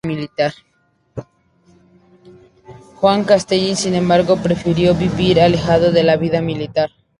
Juan Castells, sin embargo, prefirió vivir alejado de la vida militar.